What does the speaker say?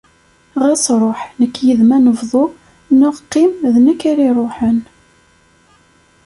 Ɣas ṛuḥ nekk yid-m ad nebḍu neɣ qqim d nekk ara iṛuḥen.